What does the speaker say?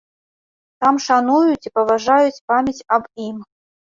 Там шануюць і паважаюць памяць аб ім.